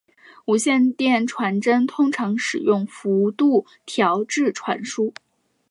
无线电传真通常使用幅度调制传输。